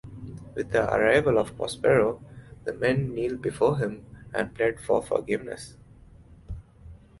With the arrival of Prospero the men kneel before him and plead for forgiveness.